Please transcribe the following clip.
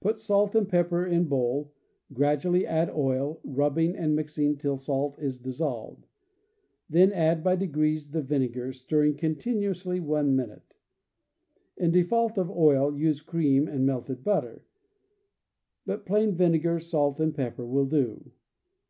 Put salt and pepper in bowl, gradually add oil, rubbing aid mixing till salt is dissolved; then add by degrees the vinegar, stirring continuously one minute. In de fault of oil, use cream and melted butter; but plain vinegar, salt and pepper will do.